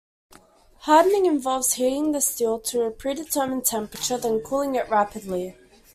Hardening involves heating the steel to a predetermined temperature, then cooling it rapidly.